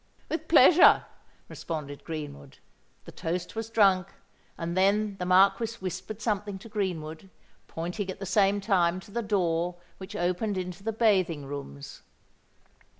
"With pleasure," responded Greenwood. The toast was drunk; and then the Marquis whispered something to Greenwood, pointing at the same time to the door which opened into the bathing rooms.